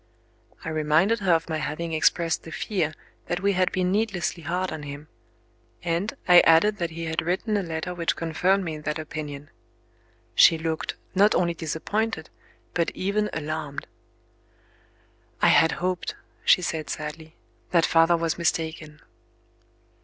I reminded her of my having expressed the fear that we had been needlessly hard on him; and, I added that he had written a letter which confirmed me in that opinion. She looked, not only disappointed, but even alarmed. "I had hoped," she said sadly, "that father was mistaken."